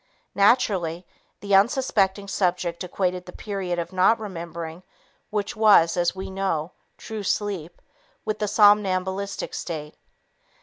Naturally, the unsuspecting subject equated the period of not remembering, which was, as we know, true sleep, with the somnambulistic state.